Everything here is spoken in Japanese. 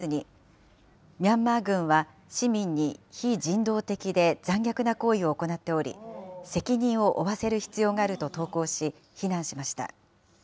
現地のアメリカ大使館はきのう、ＳＮＳに、ミャンマー軍は市民に非人道的で残虐な行為を行っており、責任を負わせる必要があると投稿し、非難しました。